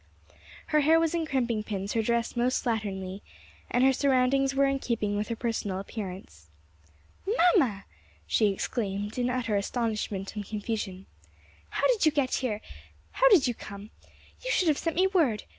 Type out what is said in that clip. Her hair was in crimping pins, her dress most slatternly, and her surroundings were in keeping with her personal appearance. "Mamma!" she exclaimed in utter astonishment and confusion. "How did you get here? how did you come? You should have sent me word.